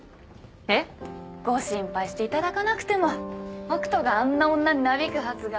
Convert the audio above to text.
えっ？ご心配していただかなくても北斗があんな女になびくはずがない。